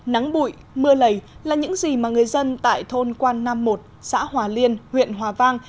nắng bụi mưa lầy là những gì mà người dân tại thôn quan nam một xã hòa liên huyện hòa vang